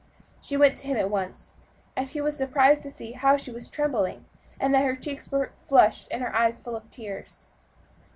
She went to him at once, and he was surprised to see how she was trembling, and that her cheeks were flushed and her eyes full of tears.